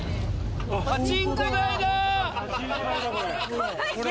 パチンコ台だこれ。